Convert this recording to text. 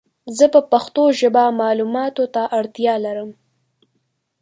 زه په پښتو ژبه مالوماتو ته اړتیا لرم